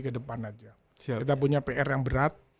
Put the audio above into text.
ke depan aja kita punya pr yang berat